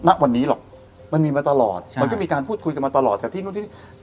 ณวันนี้หรอกมันมีมาตลอดใช่มันก็มีการพูดคุยกันมาตลอดแต่ที่นู่นที่นี่